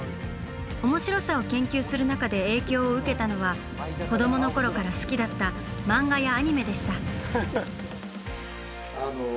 「面白さ」を研究する中で影響を受けたのは子どもの頃から好きだった漫画やアニメでした。